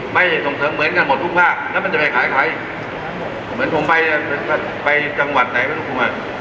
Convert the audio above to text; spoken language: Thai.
ไปส่งเสริมเหมือนกันหมดทุกภาคแล้วมันจะไปขายไข่เหมือนผมไปจังหวัดไหนไม่ต้องคุมมา